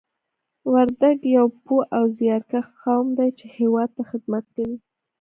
وردګ یو پوه او زیارکښ قوم دی چې هېواد ته خدمت کوي